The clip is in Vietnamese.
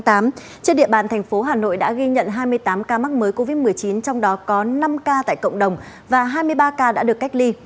trên địa bàn thành phố hà nội đã ghi nhận hai mươi tám ca mắc mới covid một mươi chín trong đó có năm ca tại cộng đồng và hai mươi ba ca đã được cách ly